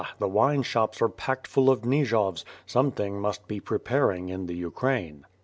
the wine shops are packed full of Nijovs; something must be preparing in the Ukraine."